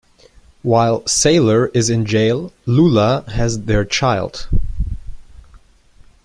While Sailor is in jail, Lula has their child.